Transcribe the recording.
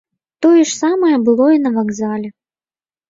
Тое ж самае было і на вакзале.